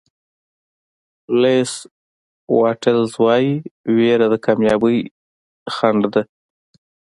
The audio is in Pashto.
ولېس واټلز وایي وېره د کامیابۍ خنډ ده.